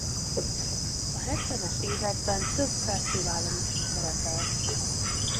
A hetvenes években több fesztiválon is szerepelt.